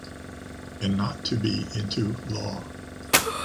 And not to be into law.